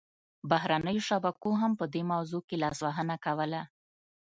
بهرنیو شبکو هم په دې موضوع کې لاسوهنه کوله